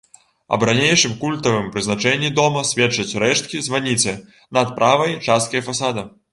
Аб ранейшым культавым прызначэнні дома сведчаць рэшткі званіцы над правай часткай фасада.